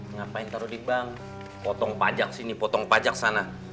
ngapain taruh di bank potong pajak sini potong pajak sana